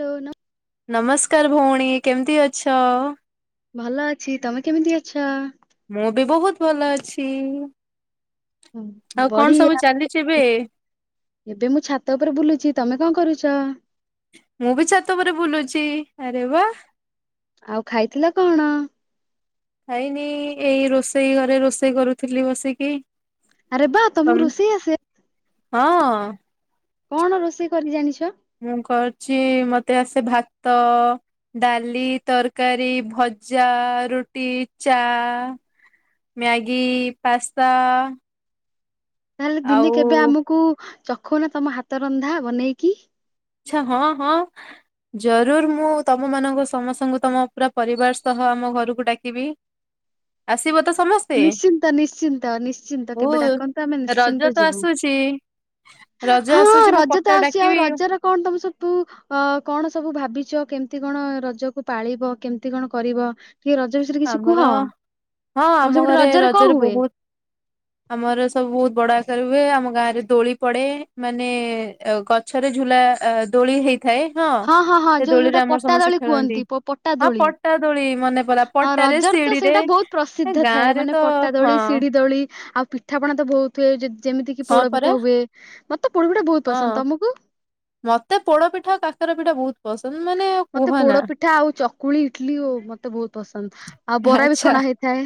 Loan ନମସ୍କାର ଭଉଣୀ କେମିତି ଅଛ? ଭଲ ଅଛି ତମେ କେମିତି ଅଛ? ମୁଁ ବି ବହୁତ ଭଲ ଅଛି। ଆଉ କଣ ସବୁ ବଢିଆ ଚାଲିଛି ଏବେ? ଏବେ ମୁଁ ଛାତ ଉପରେ ବୁଲୁଚି, ତମେ କଣ କରୁଚ? ମୁଁ ବି ଛାତ ଉପରେ ବୁଲୁଚି, ଆରେ ବା। ଆଉ ଖାଇଥିଲ କଣ? ଖାଇନି ଏଇ ରୋଷେଇ ଘରେ ରୋଷେଇ କରୁଥିଲି ବସିକି। ଆରେ ବା ତମକୁ ତମ୍ ରୋଷେଇ ଆସେ? ହଁ। କଣ ରୋଷେଇ କରି ଜାଣିଛ? ମୁଁ କରିଛି ମତେ ଆସେ ଭାତ ଡାଲି, ତରକାରୀ, ଭଜା, ରୁଟି, ଚା ମ୍ୟାଗି, ପାସ୍ତା। ତାହେଲେ ଆଉ ଦିନେ କେବେ ଆମକୁ ଚଖଉନା ତମ ହାତ ରନ୍ଧା ବନେଇକି। ଆଛା ହଁ ହଁ। ଜରୁର ମୁଁ ତମ ମାନଙ୍କୁ ସମସ୍ତଙ୍କୁ ତମ ପୁରା ପରିବାର ସହ ଆମ ଘରକୁ ଡାକିବି। ଆସିବ ତ ସମସ୍ତେ। ନିଶ୍ଚିନ୍ତ ନିଶ୍ଚିନ୍ତ ନିଶ୍ଚିନ୍ତ କେବେ ଡାକନ୍ତୁ ଆମେ ନିଶ୍ଚିନ୍ତ ଯିବୁ। ଚି ହଁ ରଜ ତ ଆସୁଛି ଆଉ ଡାକିବି ରଜ ର କଣ ତମ ସବୁ ଅ କଣ ସବୁ ଭାବିଛ କେମତି କଣ ରଜକୁ ପାଳିବ କେମିତି କଣ କରିବ? ଟିକେ ରଜ ବିଷୟରେ କିଛି କୁହ ଆମର ହଁ ତମ ଆମ ସେପଟରେ ଘରେ ରଜରେ କଣ ହୁଏ? ବହୁତ ଆମର ସବୁ ବଡ ଆକାର ହୁଏ ଆମ ଗାଁ ରେ ଦୋଳି ପଡେ, ମାନେ ମାନେ ଗଛରେ ଝୁଲା ଦୋଳି ହେଇ ଥାଏ ହଁ ହଁ ସେ ଯୋଉ ଦୋଳିରେ ଯୋଉଟା ଆମର ପଟା ସମସ୍ତେ ଦୋଳି ଖେଳନ୍ତି କୁହନ୍ତି ହଁ ପଟା ଦୋଳି ମନେ ପଇଲା ପ ରଜର ତ ସେଇଟା ବହୁତ ପ୍ରସିଦ୍ଧ ଥାଏ ରେ ମାନେ ତ ପଟା ହଁ ଦୋଳି, ସିଡି ଦୋଳି, ଆଉ ପି ପିଠାପଣା ତ ବହୁତ ହୁଏ ଯେମିତିକି ହଁ ପରା ପୋଡପିଠା ହୁଏ ମତେ ପୋଡପିଠା ବହୁତ ପସନ୍ଦ। ହଁ ତମକୁ? ମତେ ପୋଡ ପିଠା ଆଉ କାକରା ପିଠା ବହୁତ ପସନ୍ଦ ମାନେ ମତେ କୁହନା ପୋଡ ପିଠା ଆଉ ଚକୁଳି ଇଟଲିି ମତେ ବହୁତ ପସନ୍ଦ। ଆଉ ବରା ବି ଆଚ୍ଛା ଛଣା ହେଇଥାଏ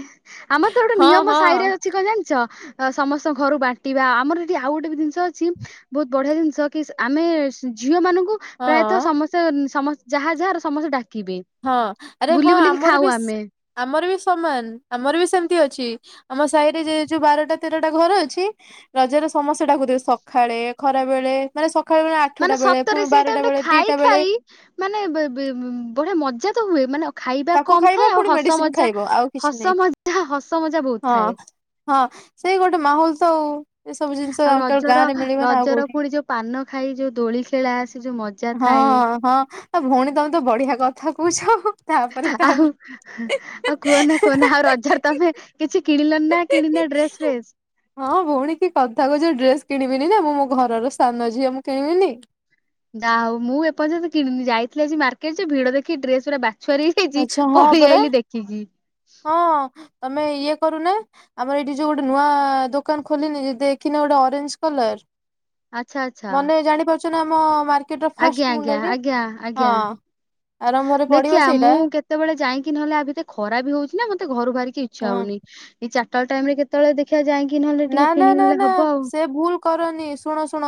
ଆମର ତ ଗୋଟେ ହଁ ନିୟମ ହଁ ସାଇରେ ଅଛି କଣ ଜାଣିଛ। ଅ ସମସ୍ତଙ୍କ ଘରୁ ବାଣ୍ଟିବା ଆମର ଏଠି ଆଉ ଗୋଟେ ବି ଜିନିଷ ଅଛି। ବହୁତ ବଢିଆ ଜିନିଷ କି ଆମେ ଝିଅ ମାନଙ୍କୁ ହଁ ପ୍ରାୟତଃ ସମସ୍ତେ ଯାହା ଯାହାର ସମସ୍ତେ ଡାକିବେ। ହଁ ଆରେ ବୁଲି ହଁ ବୁଲିକି ଆମର ଖାଉ ବି ଆମେ ଆମର ବି ସମାନ ଆମର ବି ସେମିତି ଅଛି। ଆମ ସାହିରେ ଯେ ଯୋଉ ବାରଟା ତେରଟା ଘର ଅଛି। ରଜ ର ସମସ୍ୟା ଡାକୁ ସକାଳେ ଖରା ବେଳେ ମାନେ ସକାଳୁଳେ ମାନେ ଆଠଟା ବେଳେ ସତରେ ପୁଣି ସେଇ ଟାଇମ୍ ବାରଟା ରେ ବେଳେ ଖାଇ ଦିଟା ବେଳେ ଖାଇ ମାନେ ବଢିଆ ମଜା ତ ହୁଏ ମାନେ ଖାଇବା ତାକୁ କମ ଖାଇବ ଥାଏ ପୁଣି ଆଉ ହସ ମେଡିସିନ ମଜା ଖାଇବ ଆଉ କିଛି ନାହିଁ ହସ ମଜା ହସ ମଜା ବହୁତ ହଁ ଥାଏ। ହଁ ସେଇ ଗୋଟେ ମାହୋଲ ତଉ। ଆଉ ରଜର ରଜର କୋଉଠି ପୁଣି ଯୋଉ ପାନ ଖାଇ ଯୋଉ ଦୋଳି ଖେଳା ଆସି ଯୋଉ ମଜା ହଁ ଥାଏ ହଁ ଆ ଭଉଣୀ ତମେ ତ ବଢିଆ କଥା କହୁଛ ତା ଆଉ ଆଉ କୁହ ନା କୁହନା ଆଉ ରଜରେ ତମେ କିଛି କିଣିଲନି ନା କିଣିନା ଡ୍ରେସ ଫ୍ରେସ୍ ହଁ ଭଉଣୀ କି କଥା କହୁଛ ଡ୍ରେସ କିଣିବିନି ନା ମୁଁ ମୋ ଘରର ସ୍ଥାନ ଝିଅ ମୁଁ କିଣିବିନି। ନା ହଉ ମୁଁ ଏପର୍ଯ୍ୟନ୍ତ କିଣିନି ଯାଇଥିଲ ଆଜି ମାର୍କେଟ ରେ ଭିଡ ଦେଖି ଡ୍ରେସ ପୁରା ବାଛଆ ଆଚ୍ଛା ହଁ ପଳେଇ ପରା ଆଇଲି ଦେଖିକି। ହଁ ତମେ ଇଏ କରୁନା ଆମର ଏଇଠି ଯୋଉ ଗୋଟେ ନୂଆ ଦୋକାନ ଖୋଲିନି ଦେଖିନ ଗୋଟେ ଅରେଞ୍ଜ କଲର। ଆଚ୍ଛା ଆଚ୍ଛା ମାନେ ଜାଣି ପାରୁଛ ନା ଆମ ଟ ଆଜ୍ଞା ଫାଷ୍ଟ ଆଜ୍ଞା ମୁଣ୍ଡରେ ଆଜ୍ଞା ହଁ ଆଜ୍ଞା। ଆରମ୍ଭରେ ଦେଖିଆ ପଡ଼ିବ ମୁଁ ସେଇଟା। କେତେବେଳେ ଯାଇକି ନହେଲେ ଆ ଭିତେ ଖରା ବି ହଉଛିି ମତେ ଘରୁ ବାହାରିକି ଇଛ ହଁ ହଉନି ଚାଟା ଟାଇମରେ କେ କେତେଳେ ଦେଖିବା ଯାଇକି ନହେଲେ ନା ଟିକେ ନା ନା କିଣିନେଲେ ନା ହବ ଆଉ। ସେ ଭୁଲ କରନି ଶୁଣ ଶୁଣ।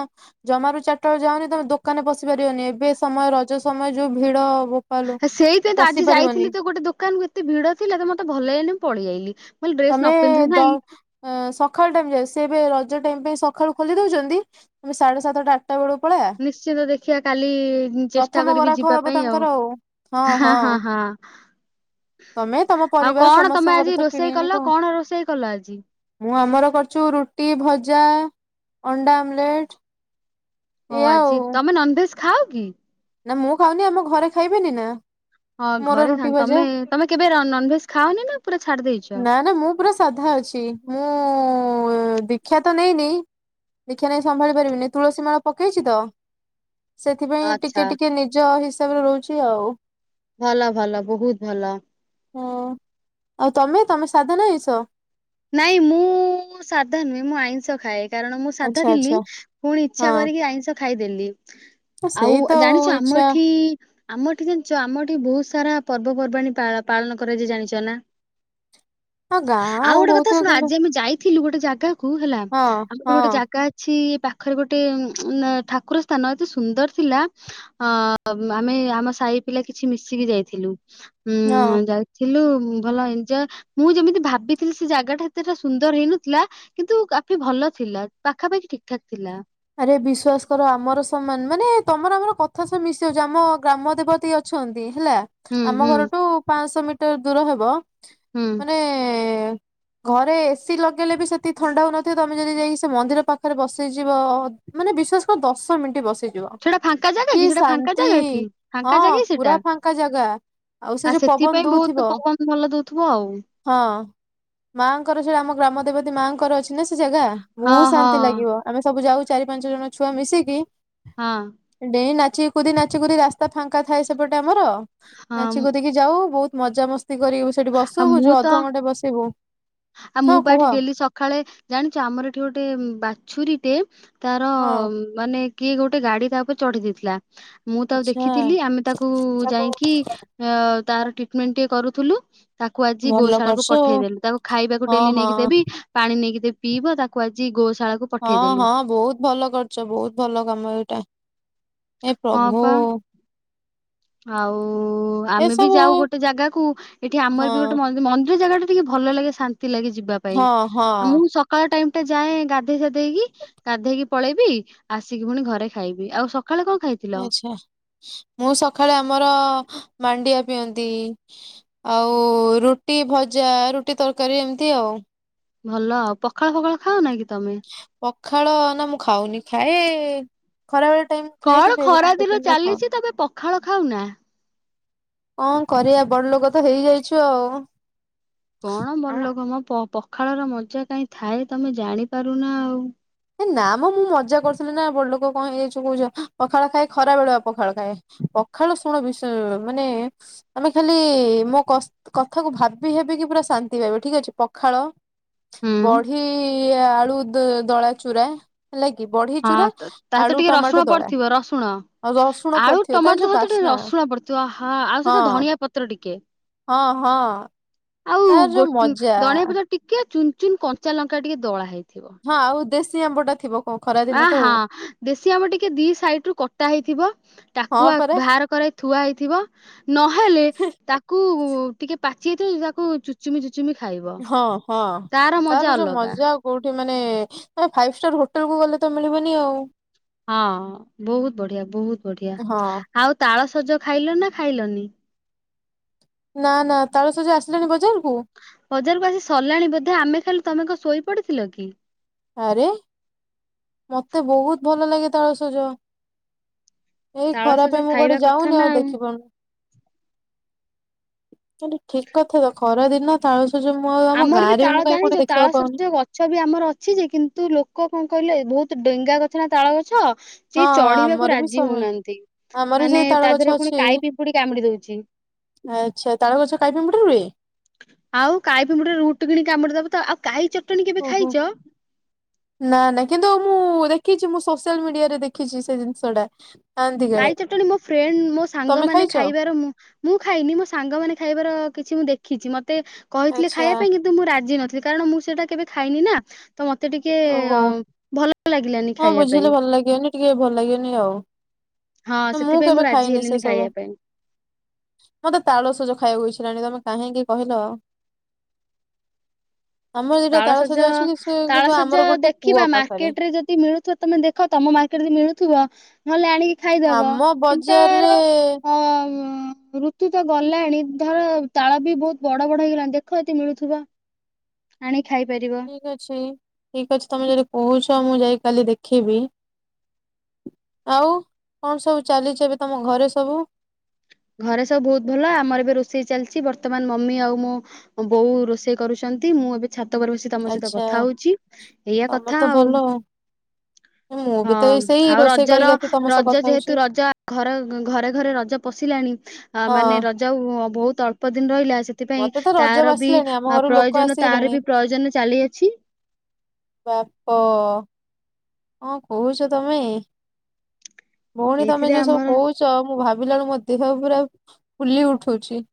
ଜମାରୁ ଚାରିଟା ବେଳେ ଯାଉନି ତମେ ଦୋକାନରେ ପଶି ପାରିବନି ଏବେ ସମୟ ରଜ ସମୟ ଯୋଉ ଭିଡ। ବୋପାଲୋ ସେଇପାଇଁ ତ ପଶି ଆଜି ଯାଇଥିଲି ପାରିବନି ତ ଗୋଟେ ଦୋକାନକୁ ଏତେ ଭିଡ ଥିଲା ତ ମତେ ଭଲ ହେଇନି ମୁଁ ପଳେଇ ଯାଇଲି। ତମେ ଦ ସକାଳୁ ଟାଇମ ଯ ସେ ଏବେ ରଜ ଟାଇମ ପାଇଁ ସକାଳୁ ଖୋଲି ଦଉଛନ୍ତି ସାଢେ ସାତଟା ବେଳକୁ ପଳେଇଆ ନିଶ୍ଚନ୍ତ ଦେଖିବା କାଲି ଚେଷ୍ଟା ପ୍ରଥମ କରିବି ଗରାଖ ଯିବା ହବ ପାଇଁ ଆଉ। ତାଙ୍କର ହଁ ହଁ ହଁ ତମେ ତମ ଆଉ ପରିବାର କଣ ତମେ ସମସ୍ତଙ୍କର ତ ଆଜି କିଣି ରୋଷେଇ ଆଣିବ। କଲ? କଣ ରୋଷେଇ କଲ ଆଜି? ମୁଁ ଆମର କରଛୁ ରୁଟି ଭଜା ଅଣ୍ଡା ଆମଲେଟ। ହଉ ଏଇଆ ଆଉ। ଆଜି ତମେ ନନଭେଜ ଖାଅ କି? ନା ମୁଁ ଖାଉନି ଆମ ଘରେ ଖାଇବେନି ନା। ହଁ ମୋର ଘରେ ରୁଟି ଭଜା। ତମେ ତମେ କେବେ ନନଭେଜ ଖାଅନି ନା ପୁରା ଛାଡି ଦେଇଛ। ନା ନା ମୁଁ ପୁରା ସାଧା ଅଛି ମୁଁ ଦୀକ୍ଷା ତ ନେଇନି। ଦେଖିବା ନେଇ ସମ୍ଭାଳି ପାରିବିନି ତୁଳସୀ ମାଳ ପକେଇଛି ତ। ସେଥିପାଇଁ ଟିକେ ଆଚ୍ଛା ଟିକେ ନିଜ ହିସାବରେ ରହୁଛି ଆଉ। ଭଲ ଭଲ ବହୁତ ଭଲ। ହଁ। ଆଉ ତମେ ତମେ ସାଧନା ହେଇସ? ନାଇଁ ମୁଁ ସାଧା ନୁହେଁ ମୁଁ ଆଇଁଷ ଖାଏ। କାରଣ ମୁଁ ସାଧା ଆଚ୍ଛା ଥିଲି ଆଚ୍ଛା ପୁଣି ଇଚ୍ଛା ହଁ କରିକି ଆଇଁଷ ଖାଇଦେଲି। ସେଇ ଆଉ ତ ଜାଣିଛ ଆମ ଇଚ୍ଛା ଏଠି ଆମ ଏଠି ଜାଣିଚ ଆମ ଏଠି ବହୁତ ସାରା ପର୍ବପର୍ବାଣି ପାଳ-ପାଳନ କରାଯାଏ ଜାଣିଚ ନା। ଅଁ ଗାଁ ଆଉ ଗୋଟେ କଥା ହଉଥିବ ଶୁଣ କିନ୍ତୁ ଆଜି ଆମେ ଯାଇଥିଲୁ ଗୋଟେ ଜାଗା କୁ ହେଲା ହଁ ଆମର ହଁ ଗୋଟେ ଜାଗା ଛି ଏ ପାଖରେ ଗୋଟେ ଉଁ ଠାକୁର ସ୍ଥାନ ଏତେ ସୁନ୍ଦର ଥିଲା। ଅ ଆମେ ଆମ ସାଇ ପିଲା କିଛି ମିଶିକି ଯାଇଥିଲୁ। ହୁଁ ହଁ। ଯାଇଥିଲୁ ଭଲ ଏଞ୍ଜୟ ମୁଁ ଯେମିତି ଭାବିି ଥିଲି ସେ ଜାଗା ଟା ଏତେଟା ସୁନ୍ଦର ହେଇନଥିଲା କିନ୍ତୁ କାଫି ଭଲ ଥିଲା ପାଖାପାଖି ଠିକ୍ ଠାକ୍ ଥିଲା। ଆରେ ବିଶ୍ଵାସ କର ଆମର ସମାନ ମାନେ ତମର ଆମର କଥା ସବୁ ମିଶି ଯାଉଚି ଆମ ଗ୍ରାମ ଦେବତୀ ଅ ଛନ୍ତି ହେଲା ହୁଁ ଆମ ହୁଁ ଘରଠୁ ପାଶହ ମିଟର ଦୂର ହବ। ହୁଁ। ଘରେ ଏସିି ଲଗେଇଲେ ବି ସେତିିକି ଥଣ୍ଡା ହଉନଥିବ ତମେ ଯଦି ଯାଇକି ସେ ମନ୍ଦିର ପାଖରେ ବସିଯିବ ଅ ମାନେ ବିଶ୍ୱାସ କର ଦଶ ମିନିଟ୍ ବସି ଯିବ ସେଟା ଫାଙ୍କା ଜାଗା କି ସେଟା ଫାଙ୍କା ଶାନ୍ତି ଜାଗା କି ହଁ ଫାଙ୍କା ପୁରା ଫାଙ୍କା ଜାଗା। ଆଉ ସେ ଆ ଯୋଉ ପବନ ସେଥିପାଇଁ ଦଉଥିବ ବହୁତ ପବନ ଭଲ ଦଉଥିବ ଆଉ। ହଁ ମା ଙ୍କର ସେଇଟା ଆମ ଗ୍ରାମ ଦେବତୀ ମା ଙ୍କର ଅଛି। ଚି ନା ସେ ଜାଗା ହଁ ବହୁତ ହଁ ଶାନ୍ତି ଲାଗିବ ଆମେ ସବୁ ଯାଉ ଚାରି ପାଞ୍ଚ ଜଣ ଛୁଆ ମିଶିକି। ହଁ। ଡେଇଁ ନାଚି କୁଦି ନାଚି କୁଦି ରାସ୍ତା ଫାଙ୍କା ଥାଏ ସେପଟେ ଆମର ନାଚି ହଁ କୁଦିିକି ଯାଉ ବହୁତ ମଜାମସ୍ତି କରିବୁ ସେଠି ଆଉ ବସିବୁ ମୁଁ ଯୋଉ ତ ଅଧଘଣ୍ଟେ ବସିବୁ ଆଉ ମୁଁ ହଁ ବା କୁହ ଏଠି ଡେଲି ସଖାଳେ ଜାଣିଚ ଆମର ଏଠି ଗୋଟେ ବାଛୁରୀ ଟେ ତାର ହଁ ମାନେ କିଏ ଗୋଟେ ଗାଡି ତା ଉପରେ ଚଢେଇ ଦେଇଥିଲା। ମୁଁ ତାକୁ ଆଚ୍ଛା ଦେଖିଥିଲି ଆମେ ତାକୁ ତାକୁ ଯାଇକି ଆ ତାର ଟ୍ରିଟମେଣ୍ଟ ଟିକେ କରୁଥିଲୁ ତାକୁ ଆଜି ଭଲ ଗୋଶାଳାକୁ କରୁଛୁ ପଠେଇଦେଲୁ ତାକୁ ଖାଇବାକୁ ହଁ ଡେଲି ହଁ ନେଇକି ଦେବି ପାଣି ନେଇକି ଦେବି ପିଇବ ତାକୁ ଆଜି ଗୋଶାଳା କୁ ହଁ ହଁ ବହୁତ ଭଲ କରିଚ ବହୁତ ଭଲ କାମ ଏଇଟା ଏ ହଁ ପ୍ରଭୁ ପା ଆଉ ଆମେ ବି ଯାଉ ଏସବୁ ଗୋଟେ ଜାଗାକୁ ଏଠି ଆମର ବି ଗୋଟେ ହଁ ମନ୍ଦି ମନ୍ଦିର ଜାଗାଟା ଟିକେ ଭଲ ଲାଗେ ଶାନ୍ତି ଲାଗେ ଯିବା ପାଇଁ ହଁ ହଁ ମୁଁ ସକାଳ ଟାଇମ ଟା ଯାଏ ଗାଧେଇ ସାଧେଇକି। ଗାଧେଇକି ପଳେଇବି ଆସିକି ପୁଣି ଘରେ ଖାଇବି ଆଉ ସଖାଳେ କଣ ଖାଇ ଆଚ୍ଛା ମୁଁ ସଖାଳେ ଆମର ମାଣ୍ଡିଆ ପିଅନ୍ତି। ଆଉ ରୁଟି ଭଜା, ରୁଟି ତରକାରୀ ଏମତି ଆଉ। ଭଲ ଆଉ ପଖାଳ ଫଖାଳ ଖାଅ ନା କି ତମେ? ପଖାଳ ନା ମୁଁ ଖାଉନି ଖାଏ ଖରା ବେଳେ ଟାଇମ ଖାଏ କଣ କିନ୍ତୁ ଏବେ ଖରା କଣ ଦିନ କର ଖାଅ [inaudible] ଚାଲିଛି ତମେ ପଖାଳ ଖାଉନା କଣ କରିଆ ବଡ ଲୋକ ତ ହେଇଯାଇଛୁ ଆଉ। କଣ ବଡ ଲୋକ ମ ପ-ପଖାଳର ମଜା କାଇଁ ଥାଏ ତମେ ଜାଣିପାରୁନା ଆଉ। ହେ ନା ମ ମୁଁ ମଜା କରୁଥିଲି ନା ବଡ ଲୋକ କଣ ହେଇଯାଇଚୁ କହୁଚ ଏଁ ପଖାଳ ଖାଏ ଖରା ବେଳୁଆ ପଖାଳ ଖାଏ। ପଖାଳ ଶୁଣ ବିଷୟ ମାନେ ତମେ ଖାଲି ମୋ କ-କଥାକୁ ଭାବି ହେବି କି ପୁରା ଶାନ୍ତି ପାଇବ ଠିକ୍ ଅଛି ପଖାଳ ହୁଁ ବଢି ଆଳୁ ଦ-ଦଳା ଚୁରା। ହେଲା କିି ବଢି ଚୁରା ହଁ ତା ତ ଆଳୁ ଟିକେ ରସୁଣ ଟମାଟୋ ଦଳା। ପଡିଥିବ ରସୁଣ ଆଉ ରସୁଣ ଆଳୁ ପଡିଥିବ ତାର ଟମାଟୋ ଯୋଉ ସହିତ ଟିକେ ବାସ୍ନା ରସୁଣ ପଡିଥିବ ଆହା ଆଉ ସହିତ ହଁ। ଧଣିଆ ପତ୍ର ଟିକେ ହଁ ହଁ। ଆଉ ତାର ଯୋଉ ଗୋ ମଜା ଦଣିଆ ପତ୍ର ଟିକେ ଚୁନ୍ ଚୁନ୍ କଞ୍ଚା ଲଙ୍କା ଟିକେ ଦଳା ହେଇଥିବ। ହଁ ଆଉ ଦେଶୀ ଆମ୍ବ ଟା ଥିବ। କଣ ଖରା ଆ ଦିନ ତ ହଁ ଆଉ ଦେଶୀ ଆମ୍ବ ଟିକେ ଦି ସାଇଡ ରୁ କଟା ହେଇଥିବ। ଟାକୁଆ ହଁ ପରା ବାହାର କରାଇ ଥୁଆ ହେଇଥିବ ନହେଲେ ତା ତାକୁ ଟିକେ ପାଚି ଯାଇଥିବ ତାକୁ ଚୁ ଚୁଚୁମି ଚୁଚୁମି ଖାଇବ ହଁ ହଁ ତାର ମଜା ଅଲଗା। କୋଉଠି ମାନେ ଫାଇଭ ଷ୍ଟାର ହୋଟେଲ କୁ ଗଲେ ତ ମିଳିବନି ଆଉ। ହଁ ବହୁତ ବଢିଆ ବହୁତ ବଢିଆ ହଁ ଆଉ ତାଳସଜ ଖାଇଲନା ଖାଇଲନି? ନା ନା ତାଳସଜ ଆସିଲାଣି ବଜାରକୁ। ବଜାରକୁ ଆସି ସାରିଲାଣି ବୋଧେ ଆମେ ଖାଇଲୁ ତମେ କଣ ଶୋଇ ପଡିଥିଲ କି। ଆରେ ମତେ ବହୁତ ଭଲ ଲାଗେ ତାଳସଜ। ଏଇ ତାଳ ଖରା ସଜ ପାଇଁ ମୁଁ ଖାଇବା କୁଆଡ଼େ କଥା ଯାଉନି ନା ଆଉ ଦେଖି ପାରୁନି। ଆରେ ଠିକ୍ କଥା ତ ଖରା ଦିନ ତାଳସଜ ମୁଁ ଆଉ ଆମ ଆମର ବି ଗାଁରେ ତାଳ ମୁଁ କାହିଁ କୋଉଠି ଜାଣିଛ ତାଳ ଦେଖିବାକୁ ପାଉନି। ସଜ ଗଛ ବି ଆମର ଅଛି ଯେ କିନ୍ତୁ ଲୋକ କଣ କହିଲେ ବହୁତ ଡେଙ୍ଗା ଗଛ ନା ତାଳ ଗଛ। ହଁ ସିଏ ଚଢିବାକୁ ଆମର ବି ରାଜି ସମାନ ହଉନାହାଁନ୍ତି ଆମର ବି ମାନେ ସେଇ ତାଳ ତା ଗଛ ଦେହରେ ପୁଣି ଅଛି। କାଇ ପିମ୍ପୁଡି କାମୁଡି ଦଉଛି। ଆଚ୍ଛା ତାଳ ଗଛ କାଇ ପିମ୍ପୁଡ଼ି ରୁହେ। ଆଉ କାଈ ପିମ୍ପୁଡ଼ି ରୁଟ୍ କିଣି କାମୁଡ଼ି ଦବ ତ ଆଉ କାଈ ଚଟଣି କେବେ ଓହୋ। ଖାଇଚ? ନା ନା କିନ୍ତୁ ମୁଁ ଦେଖିଛି ମୁଁ ସୋସିଆଲ ମିଡିଆରେ ଦେଖିଛି ସେ ଜିନିଷ ଟା। ଖାଆନ୍ତି କାଳେ କାଈ ଚଟଣୀ ମୋ ଫ୍ରେଣ୍ଡ୍ ମୋ ସାଙ୍ଗ ତମେ ମାନେ ଖାଇଛ? ଖାଇବାର ମୁଁ ମୁଁ ଖାଇନି ମୋ ସାଙ୍ଗମାନେ ଖାଇବାର କିଛି ମୁଁ ଦେଖିଛି ମତେ କହିଥିଲେ ଆଚ୍ଛା ଖାଇବା ପାଇଁ କିନ୍ ତୁ ମୁଁ ରାଜି ନଥିଲି କାରଣ ମୁଁ ସେଇଟା କେବେ ଖାଇନି ନା। ତ ମତେ ଟିକେ ଓହୋ ଅ ଭଲ ଲାଗିଲାନି ଖାଇବା ପାଇଁ। ଲାଗେନି। ଟିକେ ଭଲ ଲାଗେନି ଆଉ ହଁ ମୁଁ ସେଥିପାଇଁ କେବେ ରାଜି ଖାଇନି ସେ ହେଲିନି ସବୁ। ଖାଇବା ପାଇଁ। ମତେ ତାଳସଜ ଖାଇବାକୁଇଛା ହେଲାଣି ତମେ କାହିଁକି କହିଲ। ଆମର ଦିଟା ତାଳସଜ ତାଳସଜା ଅଛି ସେ କିନ୍ତୁ ତାଳସଜ ଆମର ଗୋଟେ ଦେଖିବା କୂଅ ପାଖରେ। ମାର୍କେଟ ରେ ଯଦି ମିଳୁଥିବ ତମେ ଦେଖ ତମ ମାର୍କେଟ ଯ ମିଳୁଥିବ ନହଲେ ଆଣିକି ଖାଇଦବ ଆମ କିନ୍ତ ତାର ବଜାରରେ ଅ ଋ ତୁ ତ ଗଲାଣି ଧର ତାଳ ବି ବହୁତ ବଡ ବଡ ହେଇଗଲାଣି ଦେଖ ଯଦି ମିଳୁଥିବ। ଆଣି ଖାଇ ପାରିବ। ଠିକ ଅଛି ଠିକ ଅଛି ତମେ ଯଦି କହୁଛ ମୁଁ ଯାଇ କାଲି ଦେଖିବି। ଆଉ କଣ ସବୁ ଚାଲିଛି ଏବେ ତମ ଘରେ ସବୁ? ଘରେ ସବୁ ବହୁତ ଭଲ ଆମର ବି ରୋଷେଇ ଚାଲିଛି ବର୍ତ୍ତମାନ ମମି ଆଉ ମୁଁ ବୋଉ ରୋଷେଇ କରୁଛନ୍ତି ମୁଁ ଏବେ ଛାତ ଉପରେ ବସି ତମ ସହିତ ଆଚ୍ଛା କଥା ହଉଛି ଏଇଆ ତମର କଥା ତ ଆଉ। ଭଲ ମୁଁ ହଁ ବି ତ ଏଇ ସେଇ ଆଉ ରୋଷେଇ ରଜର କରିକି ଆସି ତମ ସହ ରଜ କଥା ଯେହେତୁ ହଉଛି ରଜ ଘରେ ଘରେ ଘରେ ରଜ ପଶି ଲାଣି ମାନେ ହଁ ରଜ ଆଉ ବହୁତ ଅଳ୍ପ ଦିନ ରହିଲା ସେଥିପାଇଁ ମତେ ତ ରଜ ତାର ବି ବାସିଲାଣି ଆମ ଘରୁ ଲୋକ ପ୍ରୟୋଜନ ତାର ଆସିଗଲେଣି ବି ପ୍ରୟୋଜନ ଚାଲିଅଛି। ବାପ କଁ କହୁଛ ତମେ। ଭଉଣୀ ତମେ ଏଇଥିରେ ଯୋଉ ସବୁ ଆମର କହୁ ଚ ମୁଁ ଭାବିଲାଳୁ ମୋ ଦେହ ପୁରା ଫୁଲି ଉଠୁଛି।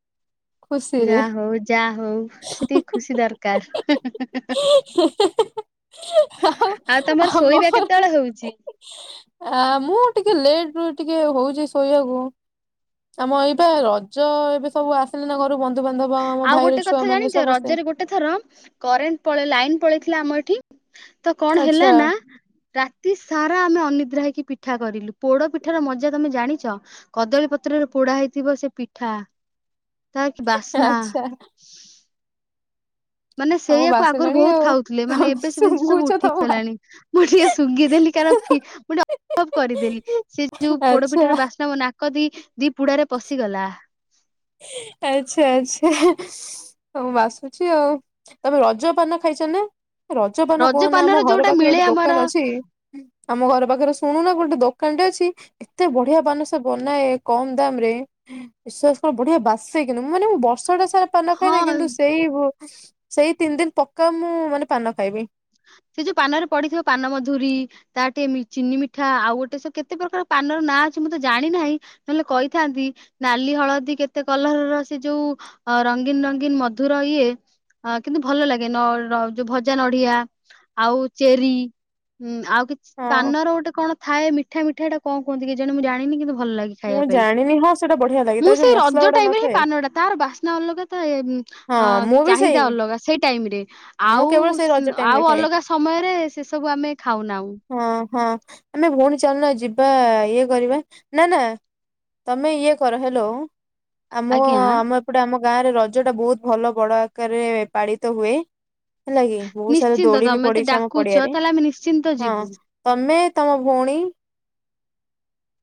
ଖୁସିରେ ଯା ହଉ ଯା ହଉ ସେତିକି ଖୁସି ଦରକାର। [unintelligible] ଆଉ ଆଉ ତମର ଆମ ଶୋଇବା ଘରକୁ କେତେବେଳେ ହଉଛି ଆ ମୁଁ ଟିକେ ଲେଟ ରୁ ଟିକେ ହଉଛି ଶୋଇବାକୁ ଆମ ଏଇ ବା ରଜ ଏବେ ସବୁ ଆସିଲେ ନା ଘରୁ ବନ୍ଧୁବାନ୍ଧବ ଆମ ଆଉ ଭାଇର ଗୋଟେ ଛୁଆ କଥା ମାନେ ଜାଣିଛ ସମସ୍ତେ। ରଜରେ ଗୋଟେ ଥର କରେଣ୍ଟ ପଳେଇ ଲାଇନ ପଳେଇଥିଲା ଆମ ଏଠି ତ କଣ ହେଲା ଆଚ୍ଛା ନା ରାତି ସାରା ଆମେ ଅନିଦ୍ରା ହେଇକି ପିଠା କରିଲୁ ପୋଡ ପିଠାର ମଜା ତମେ ଜାଣିଛ କଦଳୀ ପତ୍ରରେ ପୋଡା ହେଇଥିବ ସେ ପିଠା ତା କି ବା ଆଚ୍ଛା। ମାନେ ତମକୁ ସେଇୟଆକୁ ଆଗରୁ ବାସିଲାଣି ବହୁତ ଆଉ ଖାଉଥିଲେ ମାନେ ତମେ ଏବେ ସେ ଜିନିଷ ସବୁ ଶୁଙ୍ଗୁଛ ତମ ବା- ଉଠିଗଲାଣି ମୁଁ ଟିକେ ଶୁଙ୍ଘିଦେଲି କାର ମୁ ଭବ କରିଦେଲି ସେ ଯୋଉ ଆଚ୍ଛା। ପୋଡପିଠର ବାସ୍ନା ମୋ ନା କଦି ଦି ପୁଡାରେ ପଶିଗଲା। ଆଚ୍ଛା ଆଚ୍ଛା। ହଁ ବାସୁଛି ଆଉ ତମେ ରଜ ପାନ ଖାଇଛ ନା? ରଜପାନ ରଜ କହ ନା ଆମ ପାନର ଘର ଯୋଉଟା ପାଖରେ ମିଳେ ଗୋଟେ ଦୋକାନ ଆମର ଅଛି। ଆମ ଘର ପାଖରେ ଶୁଣୁନ ଗୋଟେ ଦୋକାନଟେ ଅଛି ଏତେ ବଢିଆ ପାନ ସେ ବନାଏ କମ ଦାମ ରେ ବିଶ୍ୱାସ କଣ ବଢିଆ ବାସେ କିନ୍ତୁଁ ମାନେ ମୁ ବର୍ଷଟା ସାରା ପାନ ଖାଇଏନି ହଁ କିନ୍ତୁ ସେଇ ସେଇ ତିନି ଦିନ ପକ୍କା ମୁଁ ମାନେ ପାନ ଖାଇବି। ସେ ଯୋଉ ପାନରେ ପଡିଥିବ ପାନ ମଧୁରୀ ତା ଟିକେ ଚିନି ମିଠା ଆଉ ଗୋଟେ ସବୁ କେତେ ପ୍ରକାର ପାନର ନାଁ ଅଛି ମୁଁ ତ ଜାଣିନାହିଁ। ନହେଲେ କହିଥାନ୍ତି ନାଲି ହଳଦୀ କେତେ କଲର ର ସେ ଯୋଉ ଅ ରଙ୍ଗୀନ ରଙ୍ଗୀନ ମଧୁର ଇଏ କିନ୍ତୁ ଭଲ ଲାଗେ ନ ଯୋଉ ଭଜା ନଡିଆ ଆଉ ଚେରିୀ ଉଁ ଆଉ କିଛି ହଁ ପାନର ଗୋଟେ କଣ? ଥାଏ ମିଠା ମିଠା କୁହନ୍ତି କି ଜେ ମୁଁ ଜାଣିନି କିନ୍ତୁ ଭଲ ଲାଗେ। ଖାଇବା ମୁଁ ପାଇଁ ଜାଣିନି ହଁ ସେଇଟା ବଢିଆ ଲାଗେ ମୁଁ ତା ଯୋଉ ସେଇ ମସଲା ରଜ ଗୁଡା ଟାଇମ ରେ ହିଁ ନଥାଏ। ପାନଟା ତାର ବାସ୍ନା ଅଲଗା ତ ହଁ ଅ ମୁଁ ବି ଚାହିଦା ସେଇ ଅଲଗା ସେଇ ଟାଇମରେ ମୁଁ ଆଉ କେବଳ ସେଇ ରଜ ଟାଇମ ରେ ଆଉ ଖାଏ। ଅଲଗା ସମୟରେ ସେ ସବୁ ଆମେ ଖାଉନାଁ। ହଁ ହଁ ଆମେ ଭଉଣୀ ଚାଲନା ଯିବା ଇଏ କରିବା ନା ନା ତମେ ଇଏ କର ହେଲୋ ଆମ ଆଜ୍ଞା ଆମ ଏପଟେ ଆମ ଗାଁରେ ର ଯୋଉଟା ବୋହୁତ ଭଲ ବଡ ଆକାର୍ ରେ ପାଳିତ ହୁଏ। ହେଲା କିି ବୋହୁତ ସାରା ନିଶ୍ଚିନ୍ତ ଦୋଳି ବି ତମେ ତ ପଡିଛି ଆମ ଡାକୁଛ ପଡିଆରେ ତାହେଲେ ଆମେ ନିଶ୍ଚିନ୍ତ ହଁ। ଯିବୁ ତମେ ତମ ଭଉଣୀ।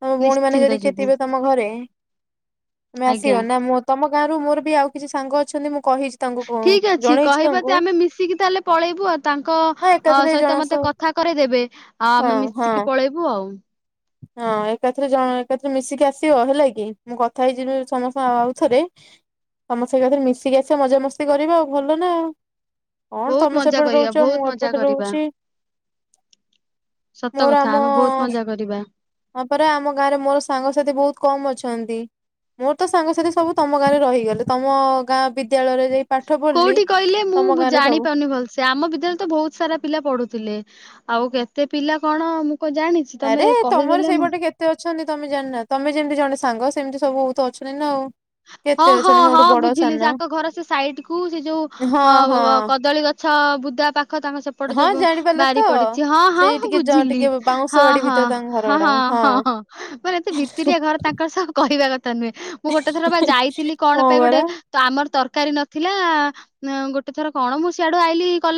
ତମ ଭଉଣୀ ମାନେ ନିଶ୍ଚିନ୍ତ ଯଦି କିଏ ଯିବୁ ଥିବେ ତମ ଘରେ ତମେ ଆଜ୍ଞା ଆସିବ ନା ମୁଁ ତମ ଗାଁ ରୁ ମୋର ବି ଆଉ କିଛି ସାଙ୍ଗ ଅଛନ୍ତି ମୁଁ କହିଛି ତାଙ୍କୁ ଠିକ୍ ଅଛି ଜଣେଇଛି କହିବ ତାଙ୍କୁ ତି ଆମେ ମିଶିକି ତାହେଲେ ପଳେଇବୁ ଆଉ ତାଙ୍କ ହଁ ଏକାଥରେ ଜଣ ସହିତ ମତେ ସହ କଥା କରେଇ ଦେବେ ଆଉ ହଁ ଆମେ ମିଶିକି ହଁ ପଳେଇବୁ ଆଉ। ହଁ ଏକାଥରେ ଜଣ ଏକାଥରେ ମିଶିକି ଆସିବ ହେଲା କି ମୁଁ କଥା ହେଇଯିବି ସମସ୍ତ ଆଉ ଥରେ। ତମ ସେ ଆଡେ ମିଶିକି ଆସ ମଜାମସ୍ତି କରିବା ଆଉ ଭଲ ନା। କଣ ବହୁତ ତମେ ମଜା ସେପଟେ କରିବା ରହୁଛ ମୁଁ ବହୁତ ମଜା ଏପଟେ କରିବା ରହୁଛି। ସତ କଥା ଆମେ ବୋହୁତ ମଜା କରିବା। ହିଁ ପରା ଆମ ଗାଁ ରେ ମୋର ସାଙ୍ଗସାଥି ବୋହୁତ୍ କମ୍ ଅଛନ୍ତି। ମୋ ତ ସାଙ୍ଗସାଥି ସବୁ ତମ ଗାଁରେ ରହିଗଲେ ତମ ଗାଁ ବିଦ୍ୟାଳୟରେ ଯାଇ ପାଠ ପଢଲି ତମ ଗାଁରେ ସବୁ। ସେ ଆମ ବିଦ୍ୟାଳ ତ ବହୁତ ସାରା ପିଲା ପଢୁଥିଲେ ଆଉ କେତେ ପିଲା କଣ ମୁଁ କଣ ଜାଣିଛି। ତମେ ଆରେ ତମର କହିଦେଲେ ମୁଁ ସେଇପଟେ କେ କେତେ ଅଛନ୍ତି ତମେ ଜାଣିନ ତମେ ଯେମିତି ଜଣେ ସାଙ୍ଗ ସେମିତି ସବୁ ଉତ ଅଛନ୍ତି ନା ଆଉ। ହଁ କେତେ ହଁ ଅଛନ୍ତି ହଁ ମୋଠୁ ବଡ ବୁଝିଲି ସାନ ସେ ତାଙ୍କ ଘର ସେ ସାଇଡ କୁ ସେ ଯୋଉ ହଁ ଅଁ ଅଁ ହଁ କଦଳୀ ଗଛ୍ ଛଅ ବୁଦା ପାଖ ତମ ସ୍ ଏପଟ ହଁ ଯୋଉ ଜାଣିପାରିଲ ତ? ବାରି ପଡିଛି ହଁ- ସେଇ ହଁ ଟିକେ ଜ ବୁଝିଲି ଟିକେ ବାଉଁଶ ହଁ- ବାଡି ହଁ- ଭିତରେ ତାଙ୍କ ଘର ହଁ -ହଁ ଗୁଡାକ -ହଁ- ହଁ। ମାନେ ଏତେ ଭିତରିଆ ଘର ତାଙ୍କର୍ ସବୁ କହିବା କଥା ନୁହେଁ ମୁଁ ଗୋଟେ ଥର ବା ଯାଇଥିଲି କଣ ହଁ ପାଇଁ ଗୋଟେ ପରା। ତ ଆମର ତରକାରୀ ନଥିଲା ଉଁ ଗୋଟେ ଥର କଣ ମୁଁ ସିଆଡୁ ଆଇଲି କଲ୍